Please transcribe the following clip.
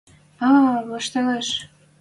— А-а, ваштылеш!..